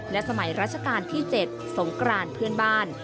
และสมัยราชการที่๗สงกรานเพื่อนบ้าน